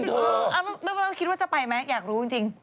ไม่รู้ว่าคิดว่าจะไปไหมอยากรู้จริง